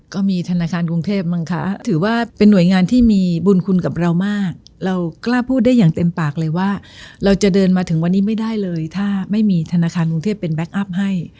ก็มีธนาคารกรุงเทพมั้งคะถือว่าเป็นหน่วยงานที่มีบุญคุณกับเรามากเรากล้าพูดได้อย่างเต็มปากเลยว่าเราจะเดินมาถึงวันนี้ไม่ได้เลยถ้าไม่มีธนาคารกรุงเทพเป็นแก๊คอัพให้